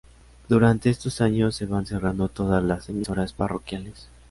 Durante estos años se van cerrando todas las emisoras parroquiales.